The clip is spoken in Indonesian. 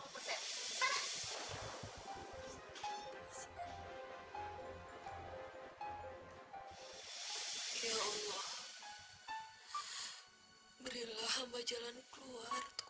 bisa diam gak sih